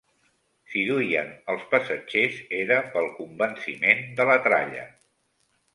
Si duien els passatgers era pel convenciment de la tralla.